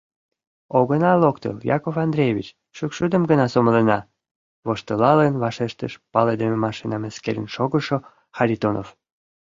— Огына локтыл, Яков Андреевич, шӱкшудым гына сомылена, — воштылалын, вашештыш палыдыме машинам эскерен шогышо Харитонов.